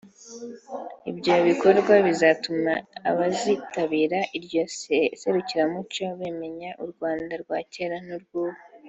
Ibyo bikorwa bizatuma abazitabira iryo serukiramuco bamenya u Rwanda rwa kera n’urw’ubu